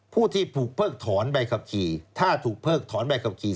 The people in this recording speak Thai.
ผู้ที่ถูกเพิกถอนใบขับขี่ถ้าถูกเพิกถอนใบขับขี่